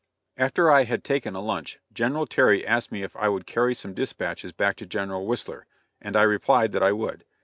After I had taken a lunch, General Terry asked me if I would carry some dispatches back to General Whistler, and I replied that I would.